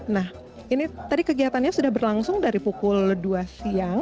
nah ini tadi kegiatannya sudah berlangsung dari pukul dua siang